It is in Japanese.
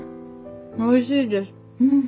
おいしいです。